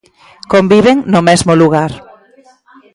Conviven no mesmo lugar.